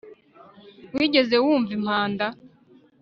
Wigeze wumva impanda